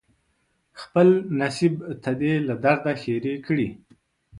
خپل نصیب ته دې له درده ښیرې کړي